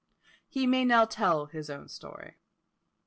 He may now tell his own story.